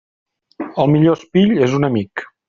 El millor espill és un amic.